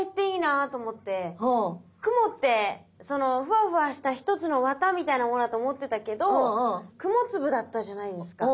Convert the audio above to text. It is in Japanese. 曇ってそのフワフワした一つの綿みたいなものだと思ってたけど雲粒だったじゃないですか。